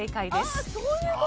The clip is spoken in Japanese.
ああそういう事。